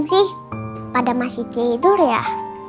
kasih tidur juga you are delicate